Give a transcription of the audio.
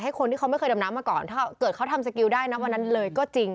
คนที่เขาไม่เคยดำน้ำมาก่อนถ้าเกิดเขาทำสกิลได้นะวันนั้นเลยก็จริง